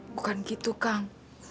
bukan gitu kang